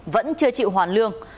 vẫn chưa chịu hoàn lương